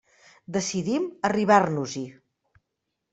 Decidim arribar-nos-hi.